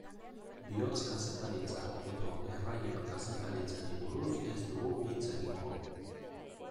Bihotz-kazetaritza edo erraien kazetaritzari buruz ez dugu hitz egingo.